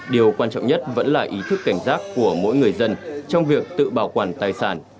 điều quan trọng nhất vẫn là ý thức cảnh giác của mỗi người dân trong việc tự bảo quản tài sản